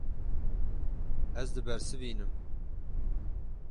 Ez dibersivînim.